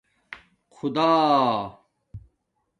خدا